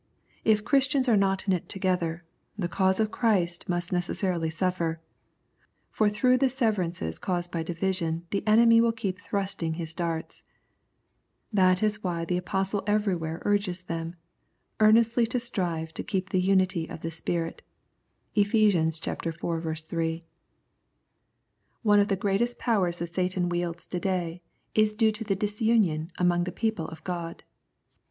If Christians are not knit together, the cause of Christ must necessarily suffer, for through the severances caused by division the enemy will keep thrusting his darts. That is why tJie Apostle elsewhere urges them " earnestly to strive to keep the unity of the Spirit " (Eph. iv. 3). One of the greatest powers that Satan wields to day is due to the disunion 82 Conflict and Comfort among the people of God.